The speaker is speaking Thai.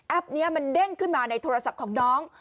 นี้มันเด้งขึ้นมาในโทรศัพท์ของน้อง